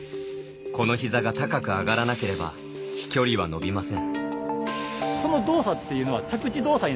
この膝が高く上がらなければ飛距離は伸びません。